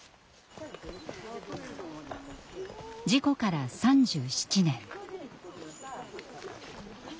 事故から３７年。